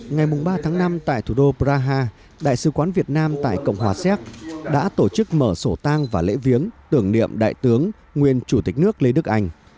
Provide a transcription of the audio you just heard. ngày ba tháng năm tại thủ đô praha đại sứ quán việt nam tại cộng hòa xéc đã tổ chức mở sổ tang và lễ viếng tưởng niệm đại tướng nguyên chủ tịch nước lê đức anh